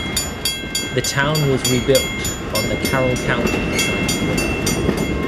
The town was rebuilt on the Carroll County side of the river.